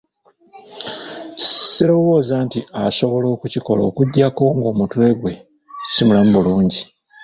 Sirowooza nti asobola okukikola okuggyako ng'omutwe gwe si mulamu bulungi.